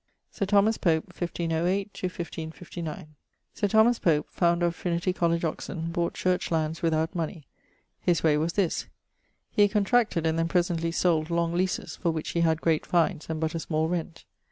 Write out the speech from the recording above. =Sir Thomas Pope= (1508 1559). Sir Thomas Pope, founder of Trinity College, Oxon, bought church lands without money. His way was this. He contracted, and then presently sold long leases, for which he had great fines and but a small rent.